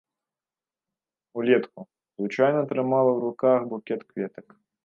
Улетку звычайна трымала ў руках букет кветак.